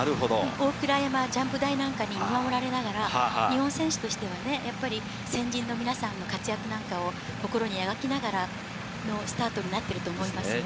大倉山ジャンプ台などに見守られながら、日本選手としてはね、やっぱり先人の皆さんの活躍なんかを心に描きながら、スタートになってると思いますよ。